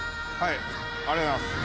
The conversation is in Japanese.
ありがとうございます。